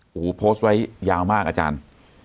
โอ้โหโพสต์ไว้ยาวมากอาจารย์